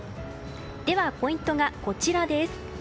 ポイントはこちらです。